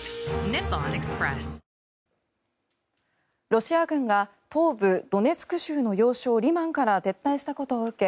ロシア軍が東部ドネツク州の要衝リマンから撤退したことを受け